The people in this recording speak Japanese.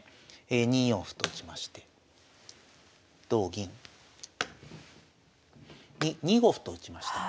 ２四歩と打ちまして同銀に２五歩と打ちました。